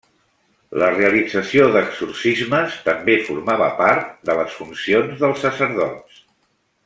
La realització d'exorcismes també formava part de les funcions dels sacerdots.